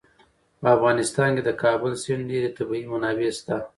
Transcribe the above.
په افغانستان کې د کابل سیند ډېرې طبعي منابع شته.